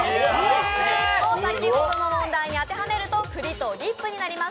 これを先ほどの問題に当てはめると「くり」と「リップ」になります。